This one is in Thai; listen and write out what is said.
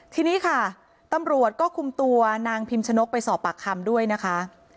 ทีนี้ค่ะตำรวจก็คุมตัวนางพิมชนกไปสอบปากคำด้วยนะคะ